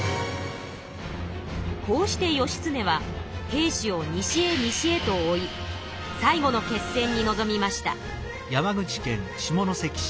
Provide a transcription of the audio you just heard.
こうして義経は平氏を西へ西へと追い最後の決戦にのぞみました。